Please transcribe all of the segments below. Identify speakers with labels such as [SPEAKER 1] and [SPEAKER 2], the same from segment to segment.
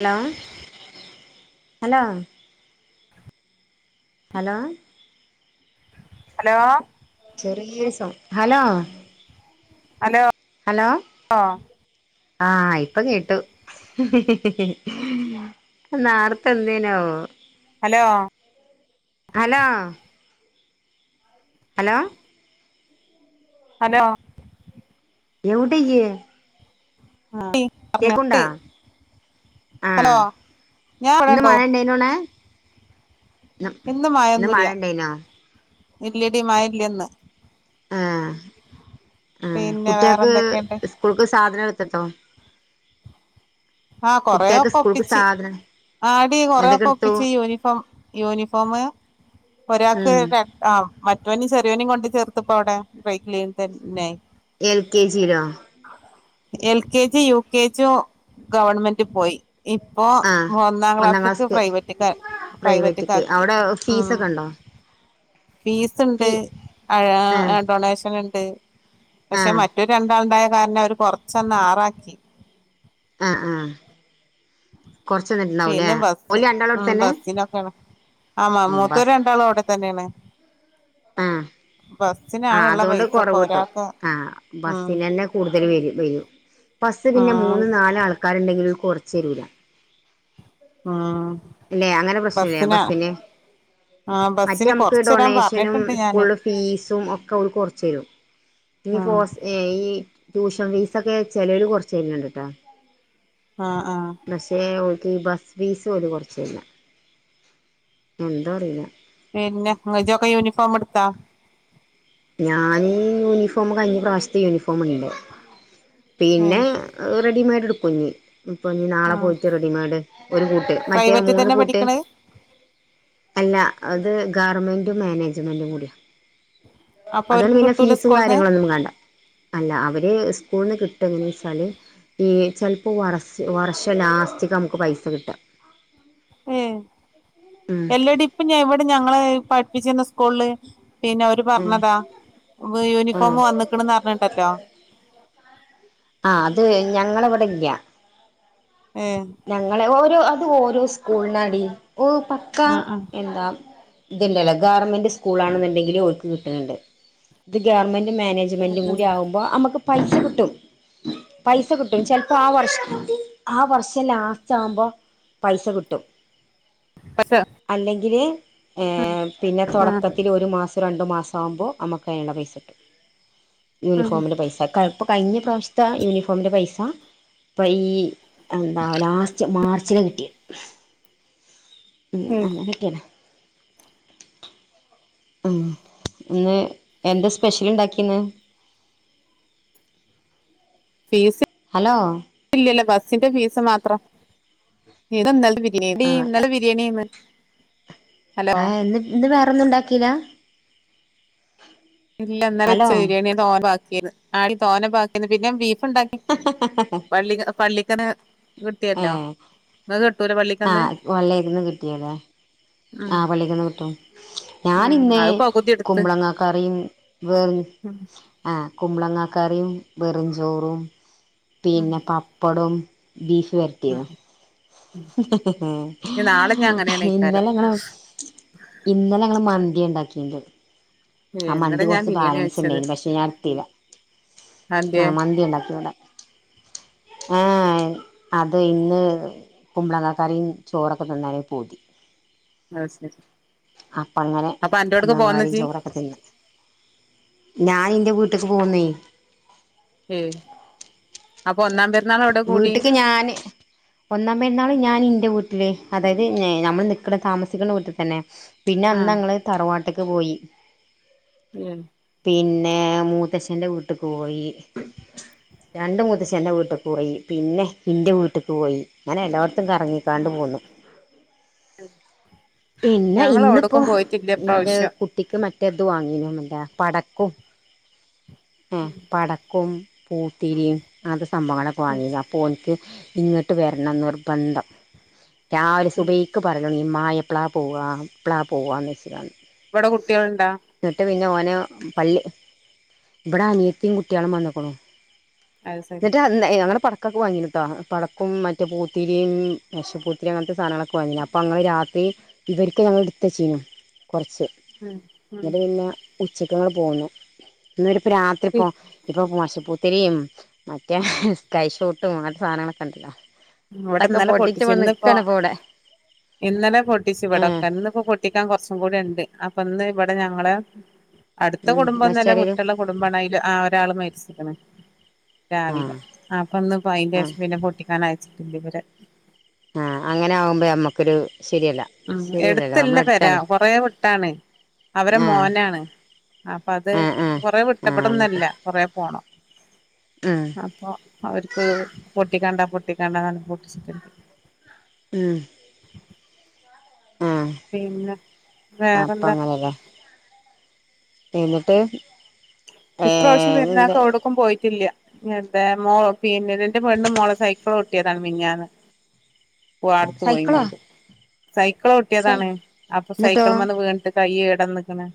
[SPEAKER 1] Hello hello hello
[SPEAKER 2] hello
[SPEAKER 1] ചെറിയ ഒരു സൗ ഹലോ
[SPEAKER 2] അലോ
[SPEAKER 1] ഹലോ ആഹ ഇപ്പ കേട്ടു നേർത്തെ ന്തേനു ആവോ
[SPEAKER 2] hello
[SPEAKER 1] hello hello
[SPEAKER 2] hello
[SPEAKER 1] എവിടിയെ
[SPEAKER 2] [unintelligible] hello
[SPEAKER 1] ആഹ്
[SPEAKER 2] [unintelligible] ഞാൻ
[SPEAKER 1] ഇന്ന് മഴ ഇണ്ടേനോടെ ഇന്ന് മഴ
[SPEAKER 2] മഴൊന്നുല്ല
[SPEAKER 1] ഇണ്ടായിനോ
[SPEAKER 2] ഇല്യടി മഴയില്ല ഇന്ന്
[SPEAKER 1] ആഹ് ആഹ്
[SPEAKER 2] പിന്നെ വേറെ
[SPEAKER 1] കുട്ടികൾക്ക്
[SPEAKER 2] എന്തൊക്കെയുണ്ട്
[SPEAKER 1] ഇസ്കൂൾക്ക് സാധനങ്ങ [unintelligible]
[SPEAKER 2] ആഹ് കൊറേയൊക്കെ ഒപ്പിച്ച് ആടി
[SPEAKER 1] എന്തൊക്കെ
[SPEAKER 2] കൊറെയൊക്കെ
[SPEAKER 1] എടുത്തു
[SPEAKER 2] ഒപ്പിച്ച് യൂണിഫോം യൂണിഫോമ് ഒരാക്ക്
[SPEAKER 1] ഉം
[SPEAKER 2] ആ മറ്റേ റ്റോനേം ചെറിയോനേം കൊണ്ട് ചേർത്ത്പ്പോ അവിടെ [unintelligible]
[SPEAKER 1] എൽ കെ ജി ലോ
[SPEAKER 2] L KG U K G ഒ ഗവൺമെന്റ് പോയി ഇപ്പോ
[SPEAKER 1] ആഹ്
[SPEAKER 2] ഒന്നാം ക്ലാസ്സ്ക്ക് പ്രൈവറ്റ്ക്ക്‌ പ്രൈവറ്റ്ക്ക്‌
[SPEAKER 1] പ്രൈവറ്റ്ക്ക്
[SPEAKER 2] ആക്കി
[SPEAKER 1] അവിടെ
[SPEAKER 2] ആ
[SPEAKER 1] ഫീസൊക്കെ ഉണ്ടോ
[SPEAKER 2] ഫീസ്
[SPEAKER 1] ഫീ
[SPEAKER 2] ഉണ്ട് ആ
[SPEAKER 1] ആഹ്
[SPEAKER 2] എഹ് ഡൊണേഷൻ ഇ [unintelligible] പക്ഷെ
[SPEAKER 1] ആഹ്
[SPEAKER 2] മറ്റ് രണ്ടാ [unintelligible] കാരണം അവര് കൊറച്ചൊന്ന് ആറാക്കി
[SPEAKER 1] അ ആഹ് കൊറച്ച് നിന്നിട്ടുണ്ടാവൂലേ
[SPEAKER 2] പിന്നെ
[SPEAKER 1] ഓല് രണ്ടാളും അവിടെത്തന്നെ
[SPEAKER 2] ബസ്സിനൊക്കെയാണ്
[SPEAKER 1] ഉം
[SPEAKER 2] മൂത്തോര്
[SPEAKER 1] ബസ്
[SPEAKER 2] രണ്ടാളും അവിടെ തന്നെയാണ്.
[SPEAKER 1] ആഹ് ആഹ്
[SPEAKER 2] ബസ്സിനാണുള്ള
[SPEAKER 1] അതുകൊണ്ട്
[SPEAKER 2] പൈസൊക്കെ
[SPEAKER 1] കൊറവ് കിട്ടും
[SPEAKER 2] ഒരാൾക്ക്
[SPEAKER 1] ആഹ്
[SPEAKER 2] ഉം
[SPEAKER 1] ബസ്സിനെന്നെ കൂടുതൽ വരും വരും ബസ്സ് [unintelligible]
[SPEAKER 2] ആ
[SPEAKER 1] പിന്നെ മൂന്ന് നാല് ആൾക്കാര്ണ്ടെ- ൽ കൊറച്ചെരൂല
[SPEAKER 2] ആഹ്
[SPEAKER 1] അല്ലെ അങ്ങനെ പ്രശ്നല്ലേ ആ ബസിന്
[SPEAKER 2] ആ
[SPEAKER 1] മറ്റേ
[SPEAKER 2] ബസ്സിന്
[SPEAKER 1] നമ്മക്ക്
[SPEAKER 2] കൊറച്ച് തരാൻ
[SPEAKER 1] ഡൊണേഷനും
[SPEAKER 2] പറഞ്ഞിട്ടുണ്ട് ഞാന്
[SPEAKER 1] സ്കൂളുടെ ഫീസും ഒക്കെ ഓര് കൊറച്ചരും ഈ
[SPEAKER 2] ഉം
[SPEAKER 1] ഫോസ് ട്യൂഷൻ ഫീസൊക്കെ ചെലവർ കൊറച്ചു തരനുണ്ട് കേട്ടോ
[SPEAKER 2] ആ ആ
[SPEAKER 1] ഈ ബസ് ഫീസ് ഓല് കുറ ശരിയാ എന്താ അറീല്ല
[SPEAKER 2] പിന്നെ അജൊക്കെ യൂണിഫോം ഇടുത്തോ
[SPEAKER 1] ഞാനീ യൂണിഫോമ് കഴിഞ്ഞ പ്രാവശ്യത്തെ യൂണിഫോമ് ഇണ്ട്
[SPEAKER 2] ഉം
[SPEAKER 1] പിന്നെ റെഡിമെയ്ഡ് എടുക്കും കുഞ്ഞി ഇപ്പൊ
[SPEAKER 2] ആ
[SPEAKER 1] നാളെ പോയിട്ട് റെഡിമെയഡ് ഒരു കൂട്ട് മറ്റേ
[SPEAKER 2] പ്രൈവറ്റിൽ
[SPEAKER 1] മൂന്ന്
[SPEAKER 2] തന്നെ
[SPEAKER 1] കൂട്ട്
[SPEAKER 2] പഠിക്കണേ
[SPEAKER 1] അല്ല അത് ഗവർമെൻഡും മാനേജ്മെൻറും കൂടിയ
[SPEAKER 2] അപ്പൊ
[SPEAKER 1] അതോണ്ട്
[SPEAKER 2] അവർക്ക്
[SPEAKER 1] പിന്നെ
[SPEAKER 2] കിട്ടൂല
[SPEAKER 1] ഫീസും
[SPEAKER 2] സ്കൂളിന്ന്
[SPEAKER 1] കാര്യങ്ങളൊന്നും വേണ്ട അല്ല അവര് സ്കൂള്ന്ന് കിട്ടും എങ്ങനെ വെച്ചാല് ഈ ചെൽപ്പോ വർഷം ലാസ്റ്നമുക്ക് പൈസ കിട്ടാ
[SPEAKER 2] ഉം
[SPEAKER 1] ഉം
[SPEAKER 2] ഇല്ലടി ഇപ്പ ഇവിടെ ഞങ്ങള്- പഠിപ്പിച്ചിര്ന്ന സ്കൂളില് പിന്നെ അവര്
[SPEAKER 1] ആഹ്
[SPEAKER 2] പറഞ്ഞതാ യൂണിഫോം വന്നക്കണന്ന് അറിഞ്ഞിണ്ടല്ലോ
[SPEAKER 1] ആ അത് ഞങ്ങളെവിടെലാ
[SPEAKER 2] ഏ
[SPEAKER 1] ഞങ്ങളെ ഓരോ- ഇത് ഓരോ സ്കൂൾനാടി- ഓ പക്കാ
[SPEAKER 2] ആ ആ
[SPEAKER 1] എന്താ ഇത്ണ്ടല്ലോ ഗവർമെന്റ് സ്കൂളാണെന്ന്ണ്ടെങ്കില് ഓൽക്ക് കിട്ട്ണ്ട് ഇത് ഗവർമെന്റ് മാനേജ്മെന്റും കൂടി ആകുമ്പോ നമ്മക്ക്- പൈസ കിട്ടും പൈസ കിട്ടും ചെ ലപ്പോ ആ വർഷം ആ വർഷ പക്ഷേ ലാസ്റ്റ് ആവുമ്പോ പൈസ കിട്ടും
[SPEAKER 2] പക്ഷെ
[SPEAKER 1] അല്ലെങ്കില്-
[SPEAKER 2] ഉം
[SPEAKER 1] പിന്നെ തുടക്കത്തിൽ ഒരു മാസം രണ്ട് മാസാവുമ്പോ നമുക്ക് അത്തിനുള്ള പൈസ കിട്ടും
[SPEAKER 2] ഉം
[SPEAKER 1] യൂണിഫോമിന്റെ പൈസ ഇപ്പോ കഴിഞ്ഞ പ്രാവശ്യത്തെ യൂണിഫോമിൻ്റെ പൈസ ഇപ്പം ഈ എന്താ ലാസ്റ്റ് മാർച്ചിൽ കിട്ടി ഉം അങ്ങനെക്കേണ് ഉം ഇന്ന് എന്താ സ്പെഷ്യൽ ഉണ്ടാക്കിന്നെ
[SPEAKER 2] ഫീസ്
[SPEAKER 1] ഹലോ
[SPEAKER 2] ബസിന്റെ ഫീസ് മാത്രം യടി
[SPEAKER 1] ആഹ്
[SPEAKER 2] ഇന്നലെ ബിരിയാണിയ
[SPEAKER 1] ആ ഇന്ന് വേറെൊ ഒന്നും ഉണ്ടാക്കില
[SPEAKER 2] ഇല്ല ഇന്നലെ വെച്ച
[SPEAKER 1] ഹലോ
[SPEAKER 2] ബിരിയാണിയ തോനെ വാ ആടി തോന്ന ബാക്കിന്ന് പിന്നെബീഫ് ബീഫ് ഉണ്ടാക്കി പള്ളിക്കന്ന് പള്ളിക്കന്ന്
[SPEAKER 1] ഏ
[SPEAKER 2] കിട്ടിയല്ലോ ഇങ്ങക്ക് കിട്ടൂല
[SPEAKER 1] ആ
[SPEAKER 2] പള്ളിക്കന്ന്
[SPEAKER 1] പള്ളിക്കന്ന് കിട്ടിയില്ലെ
[SPEAKER 2] ഉം
[SPEAKER 1] ആ പ ള്ളി ക്കന്ന് കിട്ടും ഞാന്ന്
[SPEAKER 2] ഉം
[SPEAKER 1] ഇന്നേ
[SPEAKER 2] അത് പകുതി എടുത്ത്
[SPEAKER 1] കുമ്പളങ്ങ കറി വേവ്
[SPEAKER 2] ഉം
[SPEAKER 1] ആ കുമ്പളങ്ങ കറിയും വെറുംചോറും
[SPEAKER 2] ഉം
[SPEAKER 1] പിന്നെ പപ്പടും ബീഫ് ബീഫ് വരട്ടിയത്
[SPEAKER 2] നാളെ ഞാൻ അങ്ങനെയാണ് ഇക്കാരം
[SPEAKER 1] ഇന്നലെ ഞങ്ങളെ ഇന്നലങ്ങളും മന്തി മന്തി ഉണ്ടാക്കിണ്ട് ആ
[SPEAKER 2] ഏയ് ഇന്നലെ
[SPEAKER 1] മന്തി
[SPEAKER 2] ഞാൻ
[SPEAKER 1] കുറച്ച്
[SPEAKER 2] ബിരിയാണി
[SPEAKER 1] ബാലൻസ്
[SPEAKER 2] കഴിച്ചത്
[SPEAKER 1] ഉണ്ടായിന് പക്ഷെ ഞാൻ എടുത്തില്ല
[SPEAKER 2] അതെന്തേ
[SPEAKER 1] ആ മന്തി ഉണ്ടാക്കികോഡ ആ ഏ അത് ഇന്ന് കുമ്പളങ്ങക്കറും ചോറൊക്കെ തിന്നാനോരു പൂതി
[SPEAKER 2] ആയ് ശരി
[SPEAKER 1] അപ്പ അങ്ങന
[SPEAKER 2] അപ്പൊ അന്റോട്ക്ക്
[SPEAKER 1] കുമ്പളങ്ങ
[SPEAKER 2] പോന്നോ
[SPEAKER 1] കറിയും
[SPEAKER 2] ഇജ്ജ്
[SPEAKER 1] ചോറൊക്കെ തിന്നു ഞാൻ ഇന്റെ വീട്ടക്ക് പോന്നു
[SPEAKER 2] ഉം അപ്പൊ ഒന്നാം പെരുന്നാൾ എവിടെ കൂടി
[SPEAKER 1] വീട്ടക്ക് ഞാന് ഒന്നാ പരുന്നാള് ഞാൻ എന്റെ വീട്ടിലേ അതായത് നമ്മൾ നിക്കുന്ന താമസിക്കുന്ന വീട്ടിൽ തന്നെ പിന്നെ അന്ന്
[SPEAKER 2] ആഹ്
[SPEAKER 1] ഞങ്ങള് തറവാട്ട് ട്ടക്ക് പോയി
[SPEAKER 2] ഏഹ്
[SPEAKER 1] പിന്നെ മൂ മൂത്തച്ഛന്റെ വീട്ടക്ക് പോയി രണ്ട് മൂത്തചന്റ വീട്ടി പോയി പിന്നെ ഇൻ്റെ വീട്ടിലക്ക് പോയി അങ്ങനെ എല്ലാവർത്തും കറങ്ങിക്കാണ്ട് പോന്നു
[SPEAKER 2] [inaudible]
[SPEAKER 1] പിന്നെ
[SPEAKER 2] ഞങ്ങൾ
[SPEAKER 1] ഇന്നിപ്പോ
[SPEAKER 2] എവിടക്കും പോയിട്ടില്ല
[SPEAKER 1] എന്റെ
[SPEAKER 2] ഇപ്രാവശ്യം
[SPEAKER 1] കുട്ടിക്ക് മ മറ്റേ ഇത് വാങ്ങിനും പടക്കും ആ പടക്കോം പൂത്തിരിയും അത് സംഭവങ്ങളൊക്കെ വാങ്ങിനി അപ്പോ ഓനിക്ക് ഇങ്ങട്ട് വരണം നിർബന്ധം രാവിലെ സുബൈക്ക് പറയൽ തുടങ്ങി മയം എപ്പള പോവാ എപ്പള പോവാ ന്ന് വെച്ചുക്കണ്ടേ
[SPEAKER 2] ഇവിടെ കുട്ടികളുണ്ട
[SPEAKER 1] ഓനെ പള്ളി ഇവിടെ അനിയത്തിയും കുട്ടികളും വന്നക്കണു
[SPEAKER 2] അത് ശരി
[SPEAKER 1] എന്നിട്ട് [unintelligible] ഒക്കെ വങ്ങിട്ടോ പടക്കും മറ്റേ പൂത്തിരിയും മേശ പ്പൂത്തിരിയും അങ്ങനത്തെ സാധനങ്ങളൊക്കെ വാങ്ങിനി അപ്പോം ഞങ്ങൾ രാത്രി ഇവർക്ക നമ്മള എടുത്തുവെച്ചിനു കുറച്ച്
[SPEAKER 2] ഉം ഉം
[SPEAKER 1] എന്നിട്ട് പിന്നെ ഉച്ചക്ക ഞങ്ങ പോന്നു [unintelligible] ഇ രാത്രി പോ ഇപ്പൊ പോശ പുത്തിരിയും മറ്റേ സ്കൈ ഷൂട്ടും അങ്ങനത്തെ സാധനങ്ങളൊക്കെ ഉണ്ടല്ലോ
[SPEAKER 2] ഇവിടെ
[SPEAKER 1] അതൊക്കെ
[SPEAKER 2] ഇന്നലെ
[SPEAKER 1] പൊട്ടിച്ച്
[SPEAKER 2] പൊട്ടിച്ചു
[SPEAKER 1] ഇവിടെ
[SPEAKER 2] ഇന്നിപ്പോ
[SPEAKER 1] നിക്കാണ് ഇപ്പോ ഇവിടെ
[SPEAKER 2] ഇന്നല പൊ പൊട്ടിച്ച
[SPEAKER 1] ഏഹ്
[SPEAKER 2] ഇവിടെയൊക്കെ ഇന്ന് പൊട്ടിക്കാൻ കുറച്ചേക്കൂടെ ഇണ്ട് അപ്പൊ ഇന്ന് ഇവ വിടെ ഞങ്ങള് അടുത്ത
[SPEAKER 1] ഉം
[SPEAKER 2] കുടുംബമൊന്നുല്ല
[SPEAKER 1] മെച്ചറിയിലും
[SPEAKER 2] വിട്ടുള്ള കുടുംബണ അതിൽ ആ ഒരാള് മരിച്ചിരിക്കണേ രാവിലെ
[SPEAKER 1] ആഹ്
[SPEAKER 2] അപ്പൊ ഇന്നേ
[SPEAKER 1] ആഹ്
[SPEAKER 2] അതിന്റെഷം പിന്നെ പൊട്ടിക്കാനായി [unintelligible]
[SPEAKER 1] ആ അങ്ങനെ ആകുമ്പോ നമ്മക്കൊരു ശരിയല്ല
[SPEAKER 2] ഉം
[SPEAKER 1] ശരിയല്ലല്ലോ
[SPEAKER 2] എടുത്തല്ല
[SPEAKER 1] നമ്മള
[SPEAKER 2] പെര
[SPEAKER 1] അടുത്താണ്
[SPEAKER 2] കൊറേ വിട്ടാണ് അവരെ
[SPEAKER 1] ആഹ്
[SPEAKER 2] മോനാണ് അപ്പൊ അത്
[SPEAKER 1] ആഹ് ആഹ്
[SPEAKER 2] കൊറ വിട്ട
[SPEAKER 1] ആഹ് നമുക്ക്
[SPEAKER 2] ഇവിടെയൊന്നുല്ല കൊറ പോണം
[SPEAKER 1] ഉം
[SPEAKER 2] അപ്പൊ അവർക്ക് പൊട്ടിക്കാണ്ട പൊട്ടിക്കണ്ടാനു പോട്ടിച്ചിട്ടില്ല
[SPEAKER 1] ഉം ആഹ്
[SPEAKER 2] പിന്നെ
[SPEAKER 1] അപ്പൊ
[SPEAKER 2] വേറെന്താ
[SPEAKER 1] അങ്ങനെല്ലേ എന്നിട്ട്
[SPEAKER 2] ഇപ്രാവശ്യം
[SPEAKER 1] ഏഹ്
[SPEAKER 2] പെരുന്നാൾക്ക് എവിടേക്കും പോയിട്ടില്ല അതെ മോ പിന്നെ ന്റെ [unintelligible] മോള സൈക്കിളട്ടിയതാണ് മിഞ്ഞന്ന് ഓ അടത്തു
[SPEAKER 1] സൈക്കിളോ
[SPEAKER 2] പൊയ്ക്കണ്ടേ സൈക്കിൾ
[SPEAKER 1] സൈ
[SPEAKER 2] ചവിട്ടിയതാണ് അപ്പൊ
[SPEAKER 1] എന്നിട്ടോ
[SPEAKER 2] സൈക്കിളുമെന്ന് വീണിട്ട് കൈയ്യ് [unintelligible]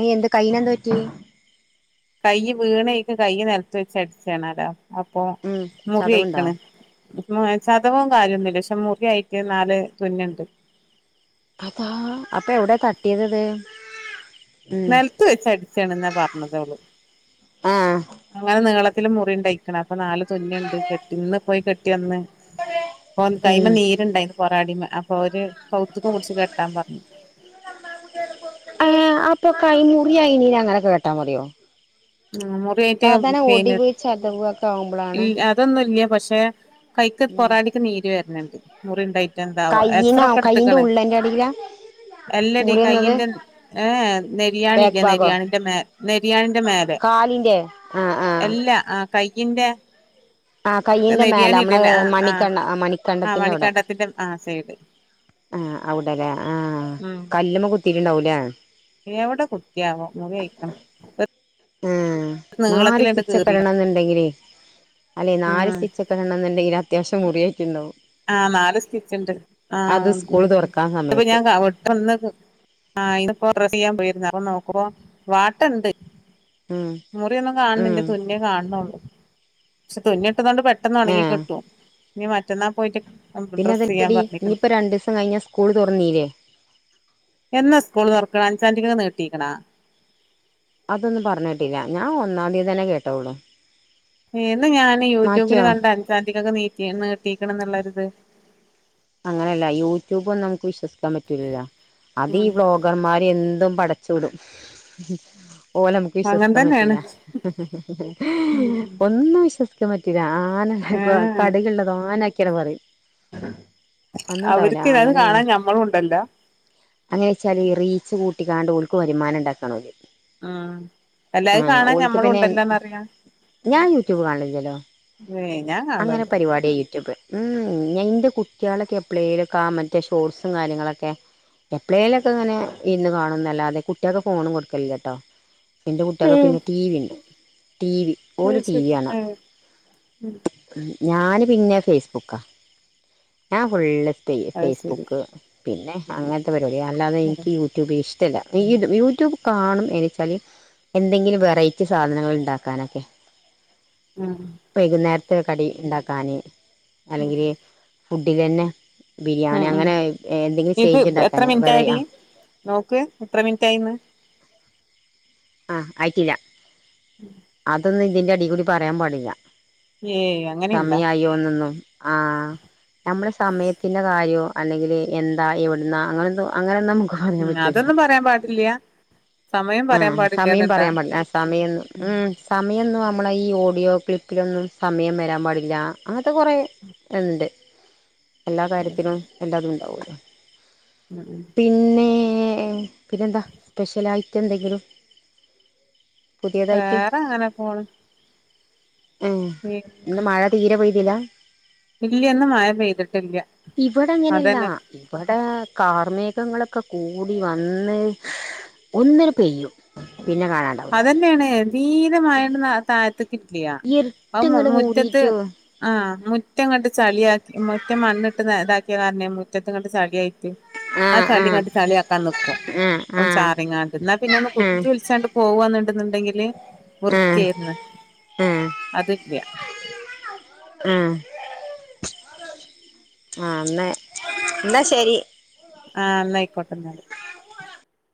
[SPEAKER 1] ആയി എന്ത് കൈന് എന്ത്‌ പറ്റി
[SPEAKER 2] കൈ വീണെയിക് കൈ നെലത്ത് വെച്ച് അടിച്ചേണാലോ- അപ്പൊ
[SPEAKER 1] ഉം ചതവുണ്ടോ
[SPEAKER 2] മുറിയിക്കണ്- മ ചതവും കാര്യമൊന്നുമില്ല പക്ഷെ മുറി ആയിട്ട് നാല് തുന്നുണ്ട്-
[SPEAKER 1] അതാ അപ്പൊ എവിടെ തട്ടിയത്ത് ഇത് -
[SPEAKER 2] നെലത്ത് വെച്ച അടിച്ചാണെന്നാ പറഞ്ഞത് അവള്
[SPEAKER 1] ആഹ്
[SPEAKER 2] അങ്ങനെ നീള ത്തില്മുറി ഉണ്ടായിക്കണത് അപ്പൊ നാല് തുന്നുണ്ട് കെട്ടി ഇന്ന് പോയി കെ ട്ടിവന്ന്- ഒന്ന്
[SPEAKER 1] ഉം
[SPEAKER 2] കൈമേ നീര് ഇണ്ടായിന്ന് പറ പാടിമ അപ്പൊ ഓര്- കൗത്ത്ക്ക് കുടിച്ച് കെട്ടാൻ പറഞ്ഞു-
[SPEAKER 1] ഇപ്പൊ കൈ മുറി അയിനങ്ങനെ കേട്ടാ പറയോ-
[SPEAKER 2] ആ മുറിയായിട്ട പിന്നെ
[SPEAKER 1] ചതവ് ഒക്കെ ആവുമ്പളാണ്
[SPEAKER 2] ഉം അതൊന്നുംല്ലൃ പക് [unintelligible] കൈക്ക്
[SPEAKER 1] ഉം
[SPEAKER 2] പൊറടിക്ക് നീര് വരണണ്ട്- മുറിണ്ടായി- പിന്നെ എന്താവോ എക്സറേ
[SPEAKER 1] കയ്യിനാ
[SPEAKER 2] ഒക്കെ
[SPEAKER 1] കയ്യിന്റെ
[SPEAKER 2] എടുത്തക്കണ്
[SPEAKER 1] ഉള്ളന്റെ അടിയിലാ
[SPEAKER 2] എല്ലടി
[SPEAKER 1] മുറിയുന്നത്
[SPEAKER 2] കൈയിന്റെ ഏഹ്
[SPEAKER 1] ബാക്ക്
[SPEAKER 2] നെരിയാണില്ലെ
[SPEAKER 1] ഭാഗോ
[SPEAKER 2] നെരിയാണിന്റെ മേ നെരിയാണിന്റെ മേലെ-
[SPEAKER 1] കാലിന്റെ ആഹ് ആഹ്
[SPEAKER 2] ഇന്റെ
[SPEAKER 1] ആ കയയിൻറെ മേലെ നമ്മള മണിക്കണ്ണ്ട
[SPEAKER 2] ആ
[SPEAKER 1] മണിക്കണ്ടത്തിന്റെ അവിടെ
[SPEAKER 2] മണിക്കണ്ടത്തിന്റെ ആ സൈഡ്
[SPEAKER 1] ആഹ് അവിടല്ലേ ആഹ്
[SPEAKER 2] ഉം
[SPEAKER 1] കല്ലമ്മെ കുത്തിട്ടുണ്ടാവൂലേ
[SPEAKER 2] എവിടെ കുത്തിയാവോ മുറി അയിക്കണ്
[SPEAKER 1] ആഹ് നാല്
[SPEAKER 2] നീളത്തിലണ്ട്
[SPEAKER 1] സ്റ്റിച്ച് ഒക്കെ
[SPEAKER 2] കീറി
[SPEAKER 1] ഇടണ എന്നുണ്ടെങ്കിലേ അല്ലെ നാല്
[SPEAKER 2] ഉം
[SPEAKER 1] സ്റ്റിച്ച് കെടണ എന്നുണ്ടെങ്കിൽ അത്യാവശ്യം മുറിയായിട്ട് ഉണ്ടാവും
[SPEAKER 2] ആഹ് നാല് സ്റ്റിച്ചണ്ട്
[SPEAKER 1] അത്
[SPEAKER 2] ആഹ്
[SPEAKER 1] സ്കൂള് തുറക്കാൻ
[SPEAKER 2] ഇപ്പൊ
[SPEAKER 1] സമയത്ത്
[SPEAKER 2] ഞാൻ പെട്ടന്ന് ആ ഇപ്പം ഡ്രസ്സ് ചെയ്യാൻ പോയിരുന്നു അ നോക്ക്പോ വാട്ടം ഇണ്ട്
[SPEAKER 1] ഉം
[SPEAKER 2] മുറിയൊന്നും
[SPEAKER 1] ഉം
[SPEAKER 2] കാണന്റെ തുന്നേെ കാണണള്ളൂ പക്ഷെ തുന്ന് അതോണ്ട് പെട്ടെന്ന് ഉണങ്ങി
[SPEAKER 1] ഏഹ്
[SPEAKER 2] കിട്ടും നീ മറ്റന്നാ പോയിട്ട്
[SPEAKER 1] പിന്നെ
[SPEAKER 2] ഡ്രസ്സ് ചെയ്യാൻ
[SPEAKER 1] അതെടി
[SPEAKER 2] പറഞ്ഞിക്കണ്
[SPEAKER 1] ഇനിയിപ്പോ രണ്ടു ദിവസം കഴിഞ്ഞ സ്കൂൾ തുറന്നീല്ലേ
[SPEAKER 2] എന്നാ സ്കൂള് തുറക്കണ് അഞ്ചാംതിക്കന്ന് നീട്ടിക്ക്ണോ
[SPEAKER 1] അതൊന്നും പറഞ് കോട്ടില്ല ഞാൻ ഒന്നാതി തന്നെ കേട്ടോളു
[SPEAKER 2] ഏന്ന് ഞാാന് യൂട്യൂബിൽ കണ്ട് അഞ്ചാറ്റക്കൊക്കെ നീി കെട്ടീക്കണ എന്നുള്ള ഇത്
[SPEAKER 1] അങ്ങനെയല്ല യൂട്യൂബ് ഒും നമുക്ക് വിശ്വസിക്കാം ൻ പറ്റ അത് ഈ ബ്ലോഗർമാര് എന്തും വടച്ചൂടും പോലെ നമുക്ക്
[SPEAKER 2] അങ്ങനെ
[SPEAKER 1] വിശ്വസിക്കാൻ
[SPEAKER 2] തന്നെയാണ്
[SPEAKER 1] പറ്റൂില്ല ഒന്ന് വിശ്വസിക്ക ഇ മറ്റത ഞ
[SPEAKER 2] ഏഹ്
[SPEAKER 1] കടികളുള്ളതോ ആന ിക്കരവറി [inaudible] അങ്ങനെ
[SPEAKER 2] അവർക്ക് അത് കാണാൻ ഞമ്മളും ഉണ്ടല്ലോ
[SPEAKER 1] അങ്ങനെ വെച്ചാല് റീച്ച് കൂട്ട [inaudible]
[SPEAKER 2] ഉം എല്ലാവരും കാണാൻ
[SPEAKER 1] ഓൽക്ക്
[SPEAKER 2] ഞമ്മള
[SPEAKER 1] പിന്നെ
[SPEAKER 2] ഉണ്ടല്ലോന്നറിയാം
[SPEAKER 1] ഞാൻ യൂട്യൂബ് കാണലില്ലല്ലോ അങ്ങനെ പരിപാടിയാ യൂട്യൂബ് ഉം [inaudible] കുട്ടികളൊക്കെ എപ്ലൈയിലൊക്കെ മറ്റേ ഷോർട്സും കാര്യങ്ങളൊക്കെ എപ്ലൈയിലൊക്കെ ഇങ്ങനെ ഇരുന്ന് കാണുന്നല്ലാതെ കുട്ടികൾക്ക്െ ഫോണും കൊടുക്കല കേട്ടോ എന്റെ കുട്ടികൾകൊക്കെ
[SPEAKER 2] ഉം
[SPEAKER 1] പിന്നെ ടിവി ഇണ്ട് ടിവി ഓൾ
[SPEAKER 2] അത്
[SPEAKER 1] ടിവി
[SPEAKER 2] ശരി
[SPEAKER 1] കാണാ ഞാന് പിന്നെ ഫേസ്ബുക്കാ ആഹ [inaudible]
[SPEAKER 2] അത് ശരി
[SPEAKER 1] ഫേസ്ബുക്ക് പിന്നെ അങ്ങനത്തെ അല്ലാതെ എനിക്ക് യൂട്യൂബ് ഇഷ്ടം യൂട്യൂബ് കാണും എന്നച്ചാല് എന്തെങ്കിലും വെറെറ്റി സാധനങ്ങൾ ഉണ്ടാക്കാനൊക്കെ
[SPEAKER 2] ഉം
[SPEAKER 1] വൈകുന്നേരത്തെ [inaudible] കടി ഉണ്ടാക്കാാന് അല്ലെങ്കിൽ ഫുഡ് കഴിഞ്ഞ
[SPEAKER 2] ഉം ഉം ഇത് എത്ര
[SPEAKER 1] ഉണ്ടാക്കാന് വെറൈ
[SPEAKER 2] മിനിറ്റായിടി
[SPEAKER 1] ആ
[SPEAKER 2] നോക്ക എത്ര മിനിറ്റായിന്ന്
[SPEAKER 1] ആ ആയിട്ടില്ല അതന്നെ ഇതിന്റെ അടി കൂടി പറയാൻ പാടില്ല
[SPEAKER 2] ഏയ് അങ്ങനെയുണ്ടാ
[SPEAKER 1] സമയമായി [inaudible] ആ നമ്മള സമയത്തിന്റെറെ കാര്യോ അല്ലെങ്കിൽ എന്താ എവിടുന്ന അങ്ങനെന്തോ അങ്ങനൊന്നും
[SPEAKER 2] ഉം അതൊന്നും പറയാൻ പാടില്ല സമയം പറയാൻ
[SPEAKER 1] ആഹ്
[SPEAKER 2] പാടില്ല
[SPEAKER 1] സമയം പറയാൻ പാടില്ല സമയ സമയം നമ്മളെ ഈ ഓഡിയോ ക്ലിപ്പിലൊന്നും സമയം വരാൻ പാടില്ല അങ്ങനത്തെ കുറെേ ഇണ്ട് എല്ലാ കാര്യത്തിനും എല്ലാതും ഉണ്ടാവും ആ
[SPEAKER 2] ഉം
[SPEAKER 1] പിന്നെ എ പിന്നെന്താ സ്പെഷ്യലായിട്ട് [unintelligible] ന്തെങ്കിലും
[SPEAKER 2] വേറെ അങ്ങനെ പോണ്
[SPEAKER 1] മ്മ്
[SPEAKER 2] ഇല്ല
[SPEAKER 1] ഇന്ന് മഴ തീരെ പോയ്‌ ഇലാ
[SPEAKER 2] ഇന്ന് മഴ പെയ്തിട്ടില്ല
[SPEAKER 1] ഇവിടെങ്ങ നല്ല
[SPEAKER 2] അതന്നെ
[SPEAKER 1] ഇവടെ കാർമികങ് ക്കക്കെ കൂടി വന്ന് ഒന്നിന് പെയ്യും ആ
[SPEAKER 2] അതന്നയാണ് നീ ടെ മഴ ഉണ്ടെന്ന താഴത്ത് കിത് ലിയ അവ്
[SPEAKER 1] ഇരുട്ട്ങ്ങട്
[SPEAKER 2] മുറ്റത്ത്
[SPEAKER 1] മൂടിട്ടോ
[SPEAKER 2] ആ മുറ്റങ്ങട്ട് ചളിയാക്കി മുറ്റം മണ്ണിട്ട് ഇതാക്കി തർനെ മുറ്റത്ത്ങ്ങട്ട് ചാളിയായ് ത്ത് ആ
[SPEAKER 1] ആഹ്
[SPEAKER 2] ചളിങ്ങട്ട്
[SPEAKER 1] ആഹ്
[SPEAKER 2] ചളി ആക്കാ നിക്കും
[SPEAKER 1] ആഹ് ആഹ്
[SPEAKER 2] ചാറിങ്ങാണ്ട് എന്നാ പിന്നെഒന്ന് കുത്തി വിളിച്ചാണ്ട് വന്ന്ട്ന്നുണ്ടങ്കില്
[SPEAKER 1] ആഹ്
[SPEAKER 2] വൃത്തിയരുന്നു
[SPEAKER 1] ആഹ് ആഹ്
[SPEAKER 2] അതല്ല
[SPEAKER 1] ആ ആ എന്നാ എന്നാ
[SPEAKER 2] ആ ന്നായിക്കോട്ട